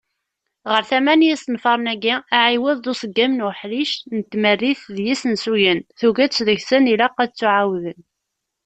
Ɣar tama n yisenfaren-agi, aɛiwed d uṣeggem n uḥric n tmerrit d yisensuyen. Tuget deg-sen ilaq ad ttuɛawden.